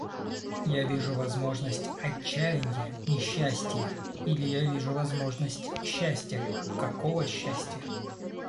Я вижу возможность отчаяния, несчастия... или я вижу возможность счастья, какого счастья!..